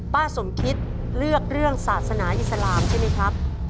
สมคิดเลือกเรื่องศาสนาอิสลามใช่ไหมครับ